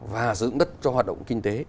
và sử dụng đất cho hoạt động kinh tế